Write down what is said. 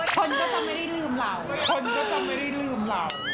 คนก็จะไม่ได้ดูดุลุมราว